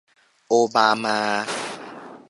โอบามา